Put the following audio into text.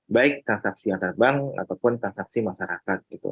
baik transaksi antar bank ataupun transaksi masyarakat gitu